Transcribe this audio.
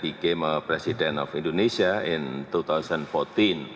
ketika saya menjadi presiden indonesia di tahun dua ribu empat belas